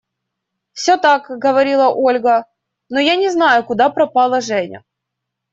– Все так, – говорила Ольга. – Но я не знаю, куда пропала Женя.